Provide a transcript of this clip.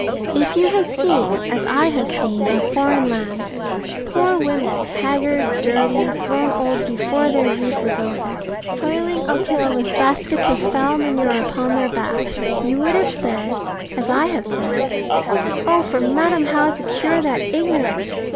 If you had seen, as I have seen, in foreign lands, poor women, haggard, dirty, grown old before their youth was over, toiling up hill with baskets of foul manure upon their backs, you would have said, as I have said, "Oh for Madam How to cure that ignorance!